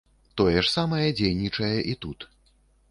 Тое ж самае дзейнічае і тут.